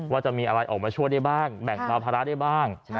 ว่าจะมีอะไรออกมาช่วยได้บ้างแบ่งเบาภาระได้บ้าง